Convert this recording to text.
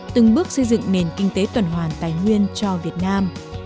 từng bước xây dựng nền kinh tế tuần hoàn tài nguyên cho việt nam